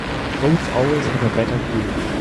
Goats always have a better view.